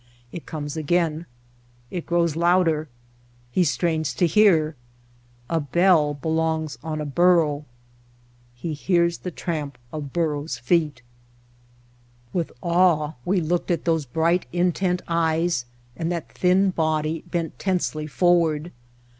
It comes again. It grows louder. He strains to hear. A bell belongs on a burro — he hears the tramp of burros' feet. [.08] Entering Death Valley With awe we looked at those bright, intent eyes and that thin body bent tensely forward.